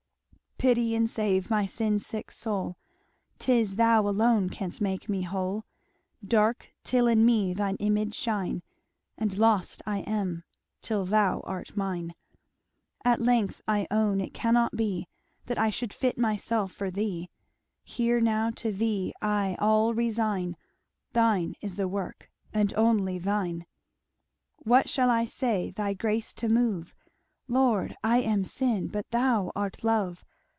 "Pity and save my sin sick soul, 'Tis thou alone canst make me whole; Dark, till in me thine image shine, And lost I am, till thou art mine. "At length I own it cannot be, That I should fit myself for thee, Here now to thee I all resign, Thine is the work, and only thine. "What shall I say thy grace to move? Lord, I am sin, but thou art love!